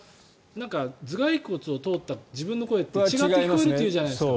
頭蓋骨を通った自分の声って違って聞こえるっていうじゃないですか。